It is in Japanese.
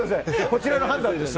こちらの判断です。